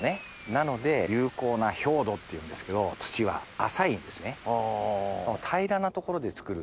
なので有効な表土っていうんですけど土は浅いんですね。